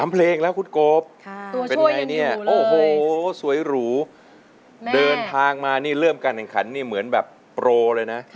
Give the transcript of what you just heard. ๓เพลงแล้วคุณกบตัวช่วยยังอยู่เลยโอ้โหสวยหรูเดินทางมาเริ่มการแข่งขันเหมือนแบบโปรเลยนะ